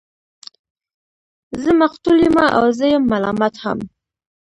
زه مقتول يمه او زه يم ملامت هم